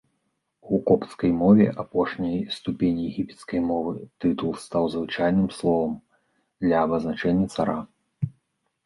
У копцкай мове, апошняй ступені егіпецкай мовы, тытул стаў звычайным словам для абазначэння цара.